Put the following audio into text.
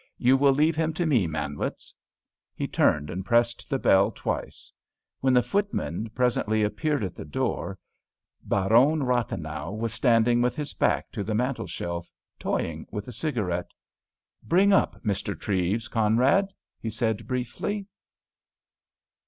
"You will leave him to me, Manwitz." He turned and pressed the bell twice. When the footman presently appeared at the door, Baron Rathenau was standing with his back to the mantelshelf, toying with a cigarette. "Bring up Mr. Treves, Conrad," he said, briefly.